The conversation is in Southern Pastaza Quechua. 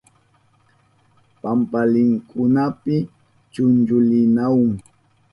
Pampalinkunapi chumpilinahun.